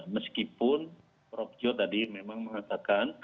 meskipun prof jo tadi memang mengatakan